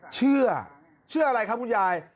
เชื่อเชื่ออะไรครับคุณยาย